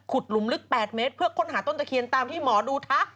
หลุมลึก๘เมตรเพื่อค้นหาต้นตะเคียนตามที่หมอดูทัก